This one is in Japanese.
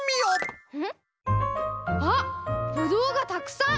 あっブドウがたくさん！